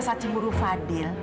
atas rasa cemburu fadil